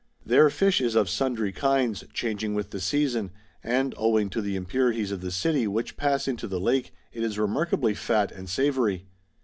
Their fish is of sundry kinds, changing with the season ; and, owing to the impurities of the city which pass into the lake, it is remarkably fat and savoury.